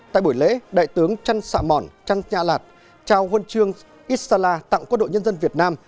tại buổi lễ đại tướng trân sạ mòn trân nha lạt trao huân chương isala tặng quốc đội nhân dân việt nam